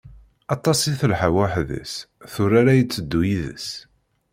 Aṭas i telḥa weḥd-s, tura la iteddu yid-s.